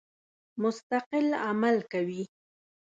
مستقل عمل کوي.